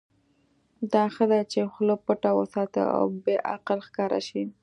دا ښه ده چې خوله پټه وساتې او بې عقل ښکاره شې.